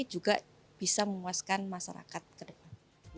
juga bisa memuaskan masyarakat ke depan